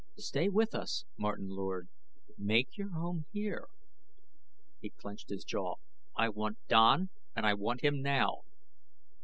Stay with us, Martin Lord; make your home here." He clenched his jaw. "I want Don and I want him now!"